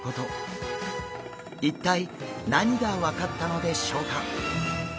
一体何が分かったのでしょうか！？